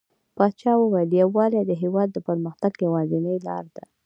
پاچا وويل: يووالى د هيواد د پرمختګ يوازينۍ لاره ده .